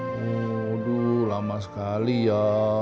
waduh lama sekali ya